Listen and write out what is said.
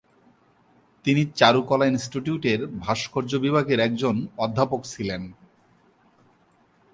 তিনি চারুকলা ইনস্টিটিউটের ভাস্কর্য বিভাগের একজন অধ্যাপক ছিলেন।